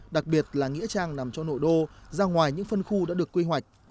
đặc biệt là nghĩa trang nằm trong nội đô ra ngoài những phân khu đã được quy hoạch